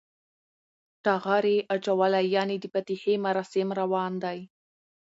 ټغر یی اچولی یعنی د فاتحی مراسم روان دی